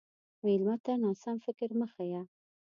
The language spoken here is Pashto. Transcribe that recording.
مېلمه ته ناسم فکر مه ښیه.